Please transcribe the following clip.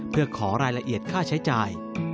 เพื่อขอรายละเอียดค่าใช้จ่าย